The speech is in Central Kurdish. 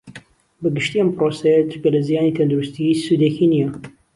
بە گشتی ئەم پڕۆسەیە جگە لە زیانی تەندروستی ھیچ سودێکی نییە